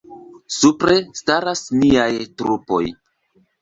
Supre staras niaj trupoj.